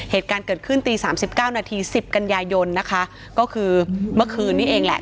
เหตุการณ์เกิดขึ้นตี๓๙นาที๑๐กันยายนนะคะก็คือเมื่อคืนนี้เองแหละ